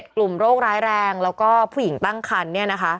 ๗กลุ่มโรคร้ายแรงแล้วก็ผู้หญิงตั้งคัน